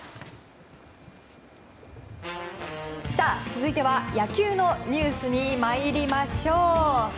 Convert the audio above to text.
続いては野球のニュースに参りましょう。